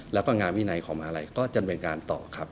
แล้วก็งานวินัยของมหาลัยก็ดำเนินการต่อครับ